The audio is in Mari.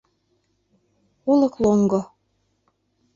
Олык лоҥго